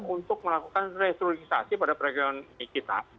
untuk melakukan restrulisasi pada perekonomian kita